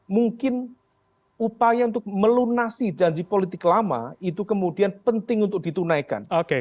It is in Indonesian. mungkin upaya untuk melunasi janji politik lama itu kemudian penting untuk ditunaikan